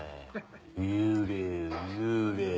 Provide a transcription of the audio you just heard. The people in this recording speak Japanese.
幽霊よ幽霊。